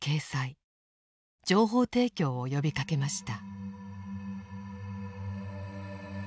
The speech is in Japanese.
情報提供を呼びかけました。